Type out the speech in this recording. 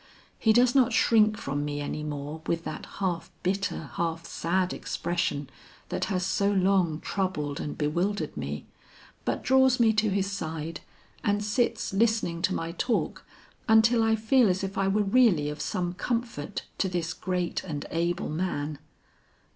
He does not shrink from me any more with that half bitter, half sad expression that has so long troubled and bewildered me, but draws me to his side and sits listening to my talk until I feel as if I were really of some comfort to this great and able man.